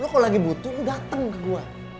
lo kalau lagi butuh lo dateng ke gue